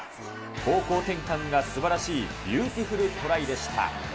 方向転換がすばらしいビューティフルトライでした。